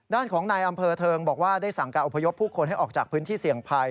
ด้านของนายอำเภอเทิงบอกว่าได้สั่งการอพยพผู้คนให้ออกจากพื้นที่เสี่ยงภัย